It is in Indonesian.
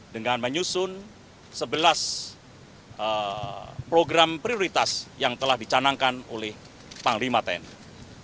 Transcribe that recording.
dengan menyusun sebelas program prioritas yang telah dicanangkan oleh panglima tni